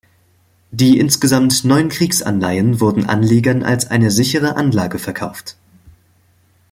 Die insgesamt neun Kriegsanleihen wurden Anlegern als eine sichere Anlage verkauft.